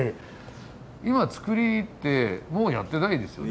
今造りってもうやってないですよね。